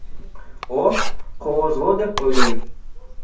О, кооз го деп ойлогом.